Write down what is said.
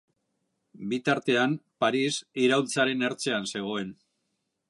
Bitartean Paris iraultzaren ertzean zegoen.